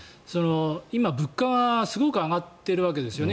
今、物価がすごく上がってるわけですよね